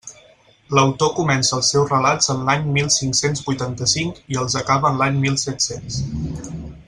L'autor comença els seus relats en l'any mil cinc-cents vuitanta-cinc i els acaba en l'any mil set-cents.